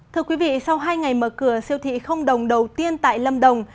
thưa quý vị sau hai ngày mở cửa siêu thị không đồng đầu tiên tại lâm đồng